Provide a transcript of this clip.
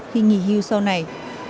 khi nghỉ hưu sau này